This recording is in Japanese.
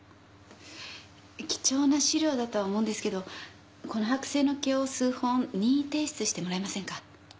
貴重な資料だとは思うんですけどこの剥製の毛を数本任意提出してもらえませんか？